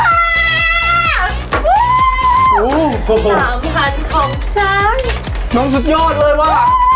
สามพันธุ์ของฉันน้องสุดยอดเลยว่ะ